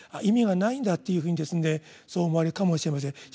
意味がないんだっていうふうにそう思われるかもしれません。